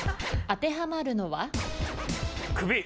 当てはまるのは？